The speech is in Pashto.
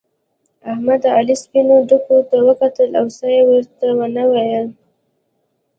احمد د علي سپينو ډکو ته وکتل او څه يې ورته و نه ويل.